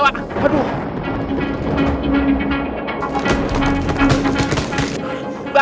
sini ke tengah